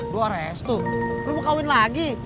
doa restu lu mau kawin lagi